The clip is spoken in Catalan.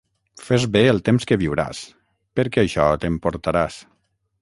Fes bé el temps que viuràs, perquè això t'emportaràs.